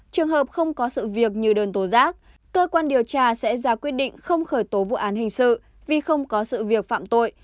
trường hợp không có sự việc như đơn tố giác cơ quan điều tra sẽ ra quyết định không khởi tố vụ án hình sự vì không có sự việc phạm tội